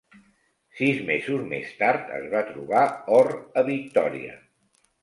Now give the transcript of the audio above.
Sis mesos més tard, es va trobar or a Victòria.